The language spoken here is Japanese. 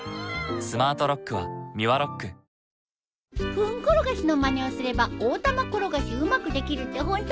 フンコロガシのまねをすれば大玉転がしうまくできるってホント？